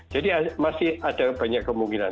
jadi masih ada banyak kemungkinan